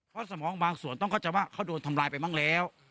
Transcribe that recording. เพราะสมองบางส่วนต้องเข้าใจว่าเขาโดนทำลายไปบ้างแล้ว